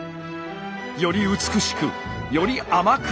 より美しくより甘く。